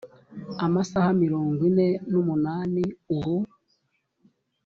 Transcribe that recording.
amasaha mirongo ine n umunani uru